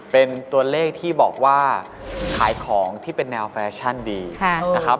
เป็นตัวเลขที่บอกว่าขายของที่เป็นแนวแฟชั่นดีนะครับ